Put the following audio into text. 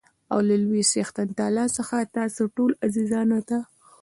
او له لوى څښتن تعالا څخه تاسو ټولو عزیزانو ته